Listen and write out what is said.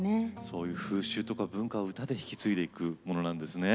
そういう風習とか文化を歌で引き継いでいくものなんですね。